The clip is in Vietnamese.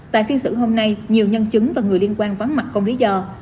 tại phiên xử hôm nay nhiều nhân chứng và người liên quan vắng mặt không lý do